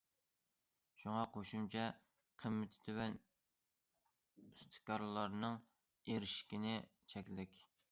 شۇڭا قوشۇمچە قىممىتى تۆۋەن، ئۇستىكارلارنىڭ ئېرىشكىنى چەكلىك.